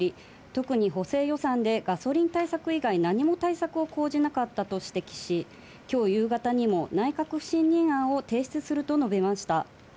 特に補正予算でガソリン対策以外、何も対策を講じなかったと指摘し、今日夕方にも内閣信任決議案を提出すると述べました。